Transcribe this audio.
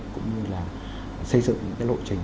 cũng như là xây dựng những cái lộ trình